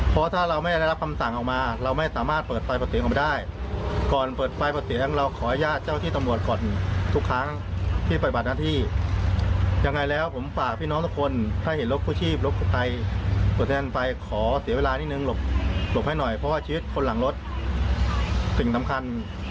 เพราะว่าชีวิตคนหลังรถสิ่งสำคัญ